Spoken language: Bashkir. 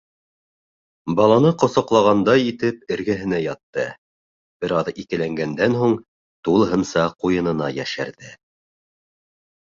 Баланы ҡосаҡлағандай итеп эргәһенә ятты, бер аҙ икеләнгәндән һуң тулыһынса ҡуйынына йәшерҙе.